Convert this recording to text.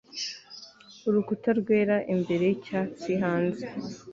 urukuta rwera imbere n'icyatsi hanze